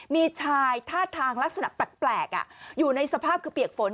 มีชายท่าทางลักษณะแปลกอยู่ในสภาพคือเปียกฝน